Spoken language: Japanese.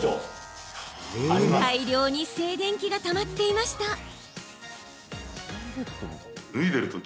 大量に静電気がたまっていました。